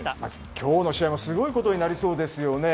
今日の試合もすごいことになりそうですね。